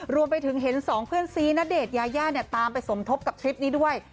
รวมไปถึงเห็นสองเพื่อนซีณเดชน์ยายาเนี่ยตามไปสมทบกับทริปนี้ด้วย